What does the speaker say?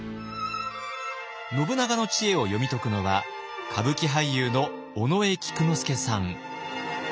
信長の知恵を読み解くのは歌舞伎俳優の尾上菊之助さん。